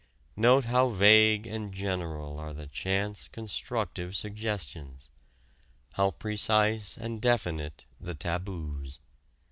Note how vague and general are the chance constructive suggestions; how precise and definite the taboos.